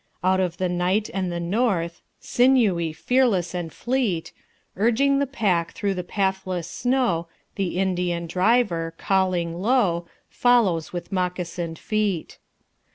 Out of the night and the north, Sinewy, fearless and fleet, Urging the pack through the pathless snow, The Indian driver, calling low, Follows with moccasined feet.